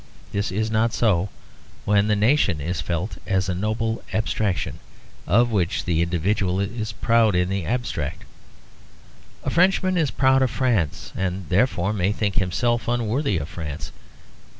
This is not so when the nation is felt as a noble abstraction, of which the individual is proud in the abstract. A Frenchman is proud of France, and therefore may think himself unworthy of France.